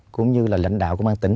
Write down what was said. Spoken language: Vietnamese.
cũng như là lãnh đạo của bang tỉnh